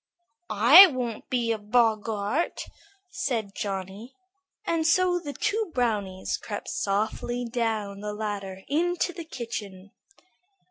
"I won't be a boggart," said Johnny, and so the two brownies crept softly down the ladder into the kitchen.